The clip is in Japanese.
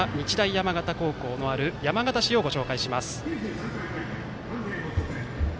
山形高校のある山形市をご紹介します。